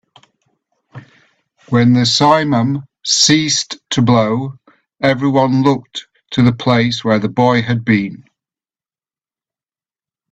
When the simum ceased to blow, everyone looked to the place where the boy had been.